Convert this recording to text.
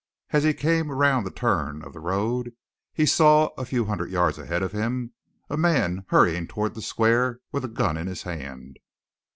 As he came round the turn of the road he saw, a few hundred yards ahead of him, a man hurrying toward the square with a gun in his hand.